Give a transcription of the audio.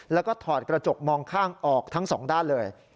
แล้วก็ถอดกระจกมองข้างออกทั้งสองด้านเลย